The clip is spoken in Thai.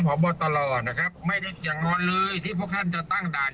พบตรนะครับไม่ได้อย่างนวลเลยที่พวกท่านจะตั้งด่าน